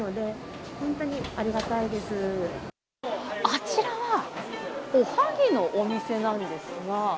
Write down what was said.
あちらはおはぎのお店なんですが。